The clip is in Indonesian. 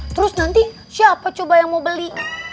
terus nanti siapa coba yang mau beli